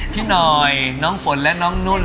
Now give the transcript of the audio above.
พี่หน่อยน้องฝนและน้องนุ่น